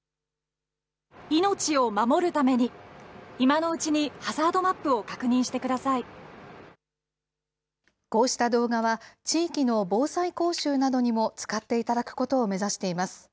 命を守るために、今のうちにハザードマップを確認してくださこうした動画は、地域の防災講習などにも使っていただくことを目指しています。